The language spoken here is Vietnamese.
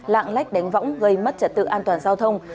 lạng lách đánh võng gây mất trật tự an toàn giao thông